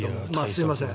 すみません